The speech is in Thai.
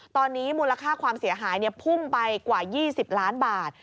ตอนนี้มูลค่าความเสียหายพุ่งไปกว่า๒๐ล้านบาท